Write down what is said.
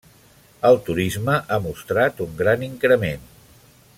El turisme ha mostrat un gran increment.